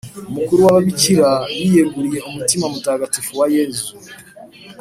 umukuru w’ababikira biyeguriye umutima mutagatifu wa yezu